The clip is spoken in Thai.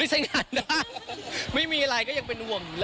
พี่ก็ไม่มีอะไรต้องเคลียร์ครับ